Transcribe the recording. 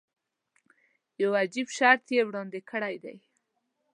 یو عجیب شرط یې وړاندې کړی دی.